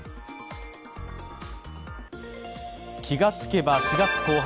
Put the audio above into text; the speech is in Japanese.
気が付けば４月後半。